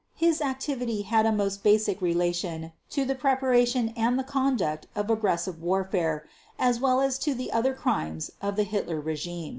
His activity had a most basic relation to the preparation and the conduct of aggressive warfare as well as to the other crimes of the Hitler regime.